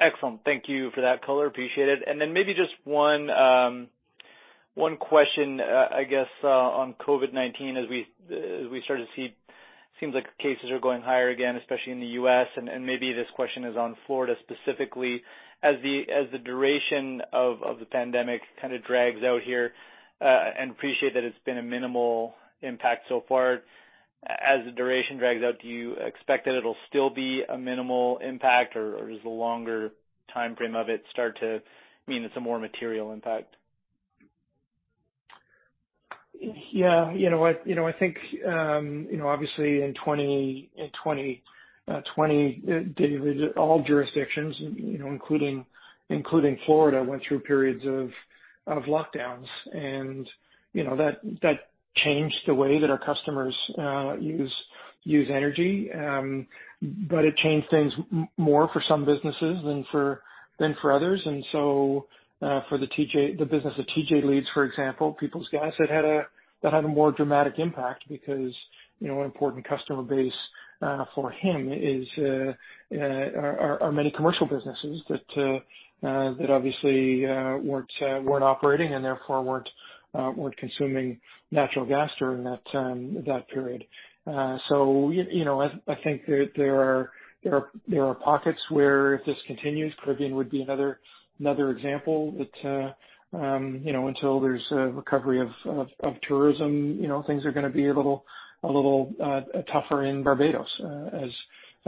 Excellent. Thank you for that color. Appreciate it. Maybe just one question, I guess, on COVID-19 as we start to see, seems like cases are going higher again, especially in the U.S., and maybe this question is on Florida specifically. As the duration of the pandemic kind of drags out here, appreciate that it's been a minimal impact so far. As the duration drags out, do you expect that it'll still be a minimal impact, or does the longer timeframe of it start to mean it's a more material impact? I think, obviously in 2020, David, all jurisdictions including Florida, went through periods of lockdowns, and that changed the way that our customers use energy. It changed things more for some businesses than for others. For the business thatT.J. leads, for example, Peoples Gas, that had a more dramatic impact because an important customer base for him are many commercial businesses that obviously weren't operating, and therefore weren't consuming natural gas during that period. I think there are pockets where if this continues, Caribbean would be another example that until there's a recovery of tourism, things are going to be a little tougher in Barbados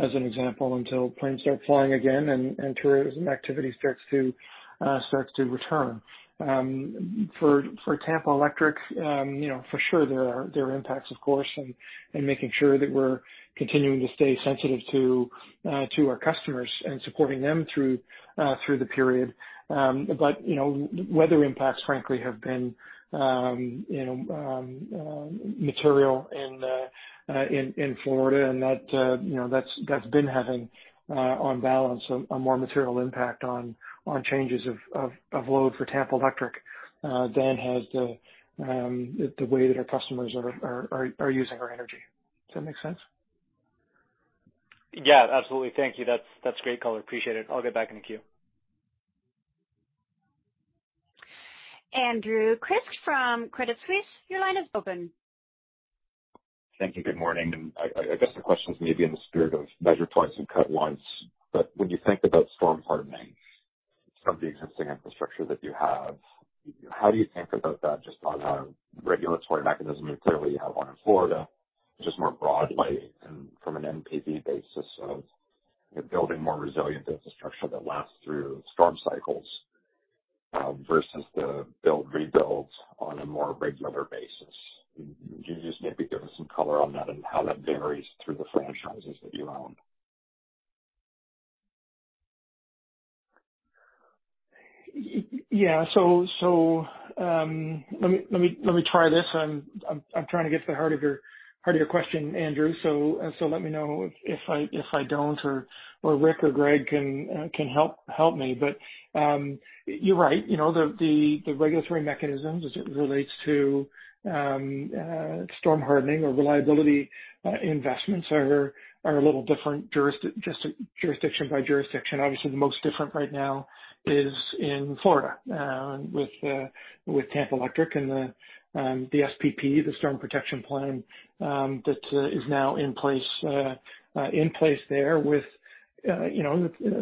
as an example, until planes start flying again and tourism activity starts to return. For Tampa Electric, for sure there are impacts, of course, and making sure that we're continuing to stay sensitive to our customers and supporting them through the period. Weather impacts, frankly, have been material in Florida and that's been having, on balance, a more material impact on changes of load for Tampa Electric than has the way that our customers are using our energy. Does that make sense? Yeah, absolutely. Thank you. That's great, Color. Appreciate it. I'll get back in the queue. Andrew Kuske from Credit Suisse, your line is open. Thank you. Good morning. I guess the question is maybe in the spirit of measure twice and cut once. When you think about storm hardening from the existing infrastructure that you have, how do you think about that just on a regulatory mechanism? You clearly have one in Florida, just more broadly and from an NPV basis of building more resilient infrastructure that lasts through storm cycles, versus the build, rebuild on a more regular basis. Can you just maybe give us some color on that and how that varies through the franchises that you own? Yeah. Let me try this. I'm trying to get to the heart of your question, Andrew. Let me know if I don't or Rick or Greg can help me. You're right. The regulatory mechanisms as it relates to storm hardening or reliability investments are a little different jurisdiction by jurisdiction. Obviously, the most different right now is in Florida with Tampa Electric and the SPP, the Storm Protection Plan, that is now in place there with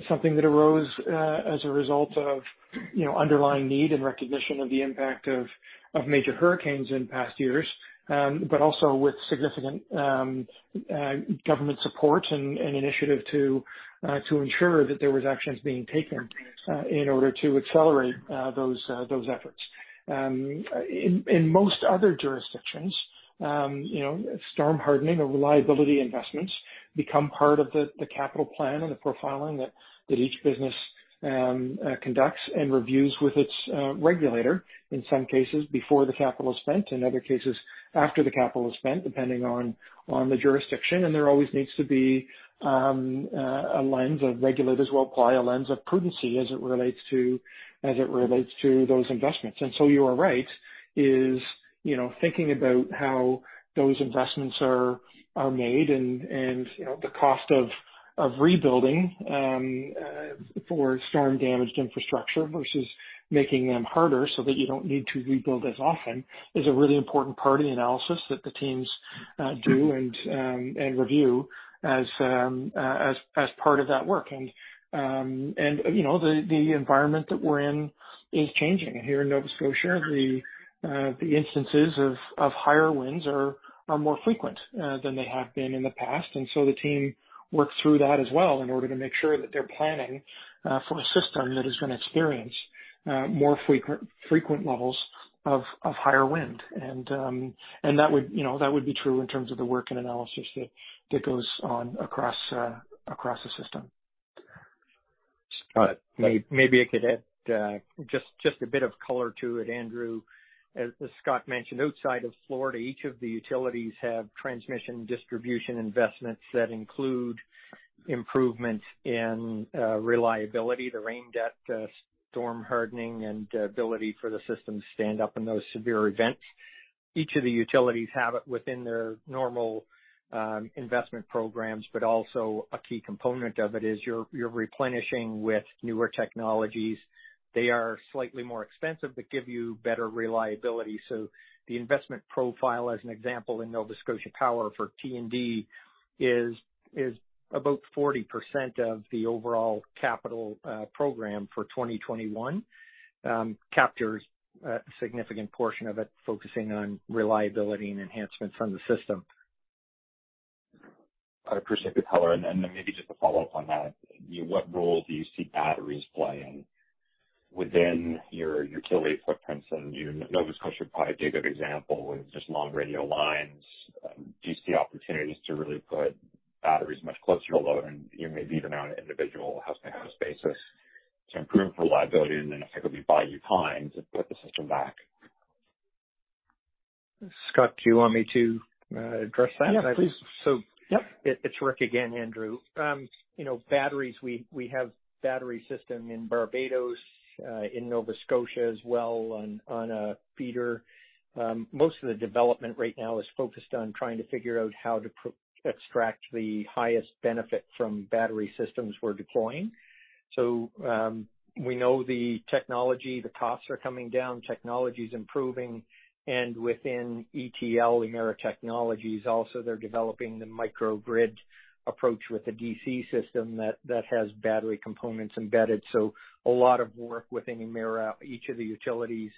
something that arose as a result of underlying need and recognition of the impact of major hurricanes in past years. Also with significant government support and initiative to ensure that there was actions being taken in order to accelerate those efforts. In most other jurisdictions, storm hardening or reliability investments become part of the capital plan and the profiling that each business conducts and reviews with its regulator, in some cases before the capital is spent, in other cases after the capital is spent, depending on the jurisdiction. There always needs to be a lens of regulators will apply a lens of prudency as it relates to those investments. You are right, is thinking about how those investments are made and the cost of rebuilding for storm-damaged infrastructure versus making them harder so that you don't need to rebuild as often, is a really important part of the analysis that the teams do and review as part of that work. The environment that we're in is changing. Here in Nova Scotia, the instances of higher winds are more frequent than they have been in the past. The team works through that as well in order to make sure that they're planning for a system that is going to experience more frequent levels of higher wind. That would be true in terms of the work and analysis that goes on across the system. Scott, maybe I could add just a bit of color to it, Andrew. As Scott mentioned, outside of Florida, each of the utilities have transmission distribution investments that include improvements in reliability, [the rain depth], storm hardening, and ability for the system to stand up in those severe events. Each of the utilities have it within their normal investment programs, but also a key component of it is you're replenishing with newer technologies. They are slightly more expensive but give you better reliability. The investment profile, as an example, in Nova Scotia Power for T&D is about 40% of the overall capital program for 2021. Captures a significant portion of it, focusing on reliability and enhancements on the system. I appreciate the color. Maybe just to follow up on that, what role do you see batteries playing within your utility footprints? Nova Scotia would probably be a good example with just long radial lines. Do you see opportunities to really put batteries much closer to load? Even on an individual house-to-house basis to improve reliability and effectively buy you time to put the system back? Scott, do you want me to address that? Yeah, please. Yep. So. It's Rick again, Andrew. Batteries, we have a battery system in Barbados, in Nova Scotia as well, on a feeder. Most of the development right now is focused on trying to figure out how to extract the highest benefit from battery systems we're deploying. We know the technology, the costs are coming down, technology's improving, and within ETL, Emera Technologies also, they're developing the microgrid approach with a DC system that has battery components embedded. A lot of work within Emera, each of the utilities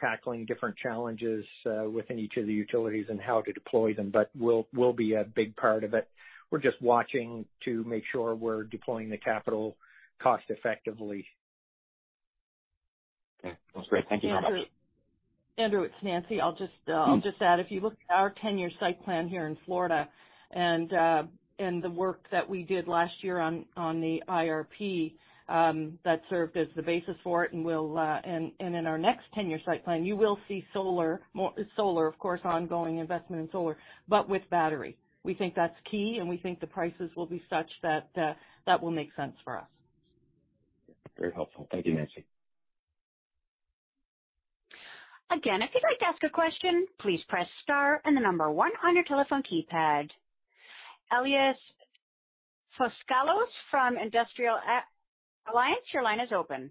tackling different challenges within each of the utilities and how to deploy them. We'll be a big part of it. We're just watching to make sure we're deploying the capital cost-effectively. Okay. That's great. Thank you very much. Andrew, it's Nancy. If you look at our 10-year site plan here in Florida and the work that we did last year on the IRP, that served as the basis for it. In our next 10-year site plan, you will see solar, of course, ongoing investment in solar, but with battery. We think that's key, and we think the prices will be such that will make sense for us. Very helpful. Thank you, Nancy. Elias Foscolos from Industrial Alliance, your line is open.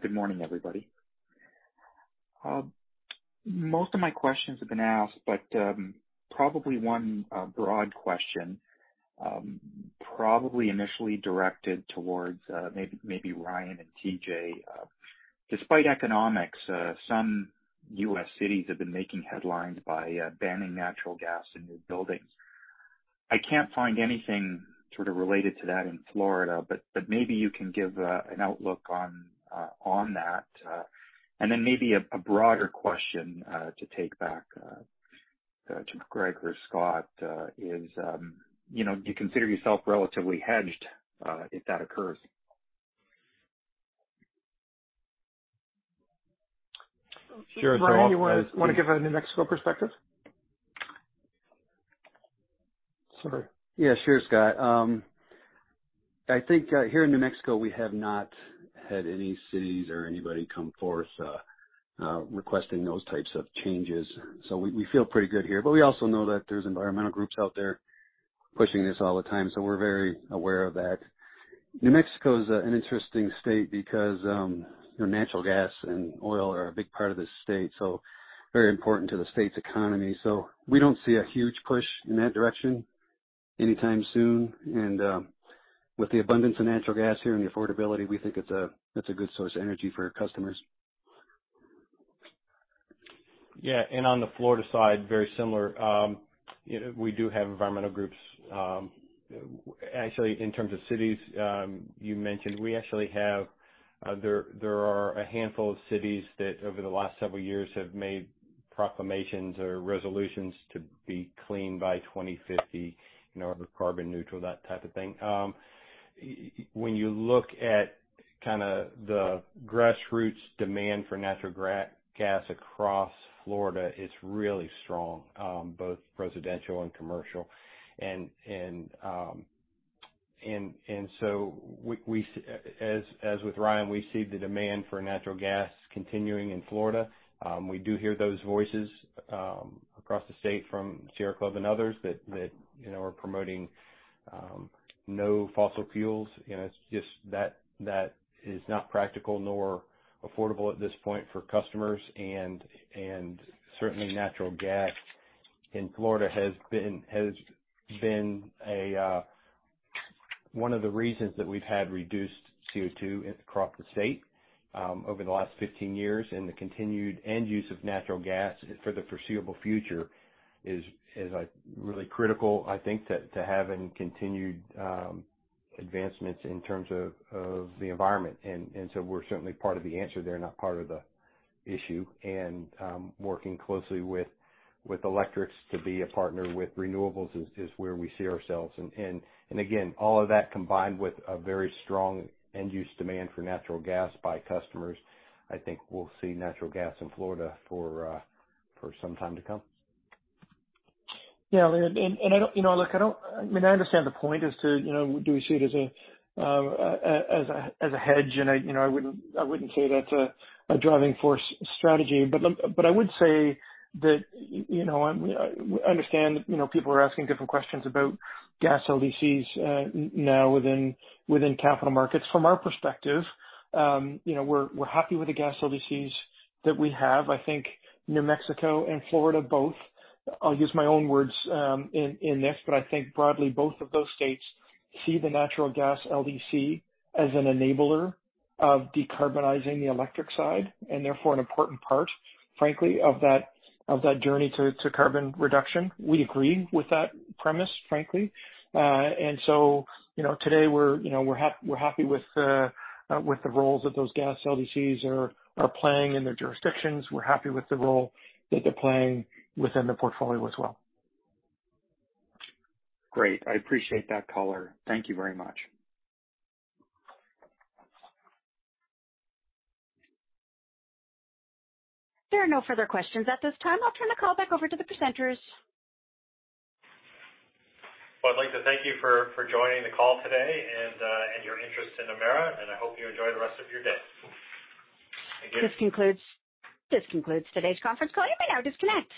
Good morning, everybody. Most of my questions have been asked. Probably one broad question. Probably initially directed towards maybe Ryan and T.J. Despite economics, some U.S. cities have been making headlines by banning natural gas in new buildings. I can't find anything sort of related to that in Florida, but maybe you can give an outlook on that. Maybe a broader question to take back to Greg or Scott is, do you consider yourself relatively hedged if that occurs? Sure. Ryan, you want to give a New Mexico perspective? Sorry. Yeah, sure, Scott. I think here in New Mexico, we have not had any cities or anybody come forth requesting those types of changes. We feel pretty good here. We also know that there's environmental groups out there pushing this all the time. We're very aware of that. New Mexico is an interesting state because natural gas and oil are a big part of the state, so very important to the state's economy. We don't see a huge push in that direction anytime soon. With the abundance of natural gas here and the affordability, we think it's a good source of energy for our customers. Yeah, on the Florida side, very similar. We do have environmental groups. Actually, in terms of cities you mentioned, there are a handful of cities that over the last several years have made proclamations or resolutions to be clean by 2050, carbon neutral, that type of thing. When you look at the grassroots demand for natural gas across Florida, it's really strong, both residential and commercial. As with Ryan, we see the demand for natural gas continuing in Florida. We do hear those voices across the state from Sierra Club and others that are promoting no fossil fuels, and that is not practical nor affordable at this point for customers. Certainly natural gas in Florida has been one of the reasons that we've had reduced CO2 across the state over the last 15 years. The continued end use of natural gas for the foreseeable future is really critical, I think, to have and continued advancements in terms of the environment. We're certainly part of the answer there, not part of the issue. Working closely with electrics to be a partner with renewables is where we see ourselves. Again, all of that combined with a very strong end-use demand for natural gas by customers, I think we'll see natural gas in Florida for some time to come. Look, I understand the point as to do we see it as a hedge, and I wouldn't say that's a driving force strategy. I would say that I understand people are asking different questions about gas LDCs now within capital markets. From our perspective, we're happy with the gas LDCs that we have. I think New Mexico and Florida both, I'll use my own words in this, but I think broadly, both of those states see the natural gas LDC as an enabler of decarbonizing the electric side, and therefore an important part, frankly, of that journey to carbon reduction. We agree with that premise, frankly. Today we're happy with the roles that those gas LDCs are playing in their jurisdictions. We're happy with the role that they're playing within the portfolio as well. Great. I appreciate that color. Thank you very much. There are no further questions at this time. I'll turn the call back over to the presenters. I'd like to thank you for joining the call today and your interest in Emera, and I hope you enjoy the rest of your day. Thank you. This concludes today's conference call. You may now disconnect.